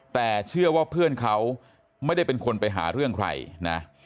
แต่เชื่อว่าเพื่อนเขาไม่ได้เป็นคนไปหาเรื่องใครนะ